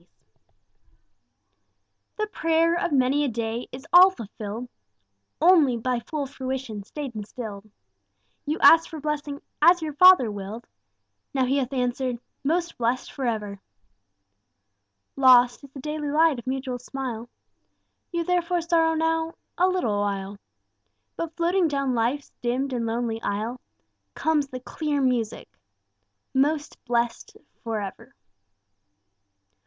_) The prayer of many a day is all fulfilled, Only by full fruition stayed and stilled; You asked for blessing as your Father willed, Now He hath answered: 'Most blessed for ever!' Lost is the daily light of mutual smile, You therefore sorrow now a little while; But floating down life's dimmed and lonely aisle Comes the clear music: 'Most blessed for ever!'